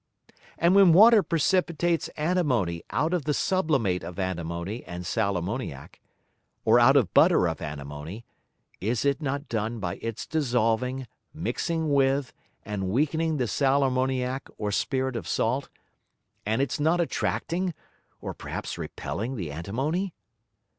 And when Water precipitates Antimony out of the Sublimate of Antimony and Sal armoniac, or out of Butter of Antimony, is it not done by its dissolving, mixing with, and weakening the Sal armoniac or Spirit of Salt, and its not attracting, or perhaps repelling the Antimony?